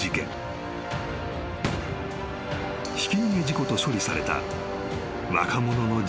［ひき逃げ事故と処理された若者の事件］